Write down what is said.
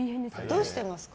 どうしてますか？